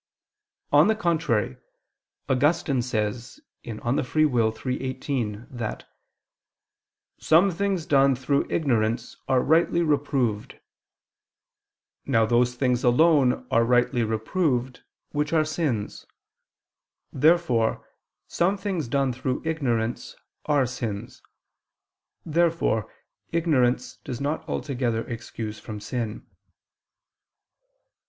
On the contrary, Augustine says (De Lib. Arb. iii, 18) that "some things done through ignorance are rightly reproved." Now those things alone are rightly reproved which are sins. Therefore some things done through ignorance are sins. Therefore ignorance does not altogether excuse from sin.